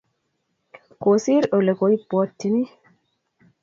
Kosir olekoibwatchini